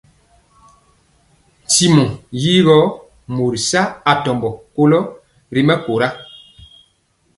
Ntimɔ yi gɔ mori saa atɔmbɔ kolo ri mɛkóra.